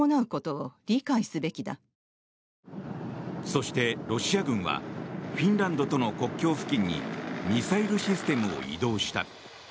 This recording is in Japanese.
そして、ロシア軍はフィンランドとの国境付近にミサイルシステムを移動した。